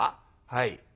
「はい」。